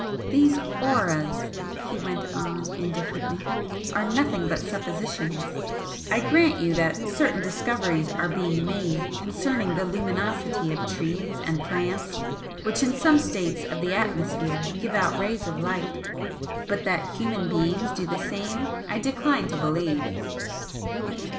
"These 'auras,'" he went on, indifferently, "are nothing but suppositions. I grant you that certain discoveries are being made concerning the luminosity of trees and plants which in some states of the atmosphere give out rays of light, but that human beings do the same I decline to believe."